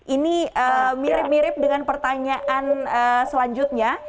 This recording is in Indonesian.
ini mirip mirip dengan pertanyaan selanjutnya